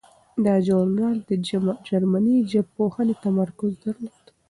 دا ژورنال د جرمني ژبپوهنې تمرکز درلود.